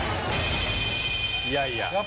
いやいや。